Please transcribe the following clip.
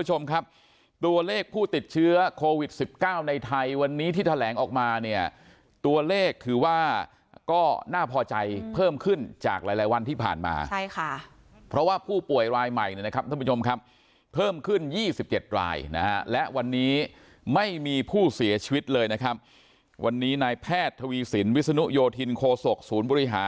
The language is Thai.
ผู้ชมครับตัวเลขผู้ติดเชื้อโควิดสิบเก้าในไทยวันนี้ที่แถลงออกมาเนี่ยตัวเลขถือว่าก็น่าพอใจเพิ่มขึ้นจากหลายหลายวันที่ผ่านมาใช่ค่ะเพราะว่าผู้ป่วยรายใหม่เนี่ยนะครับท่านผู้ชมครับเพิ่มขึ้น๒๗รายนะฮะและวันนี้ไม่มีผู้เสียชีวิตเลยนะครับวันนี้นายแพทย์ทวีสินวิศนุโยธินโคศกศูนย์บริหาร